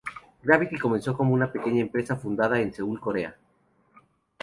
Gravity comenzó como una pequeña empresa, fundada en Seúl, Corea.